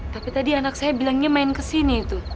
tapi tadi anak saya bilangnya main kesini itu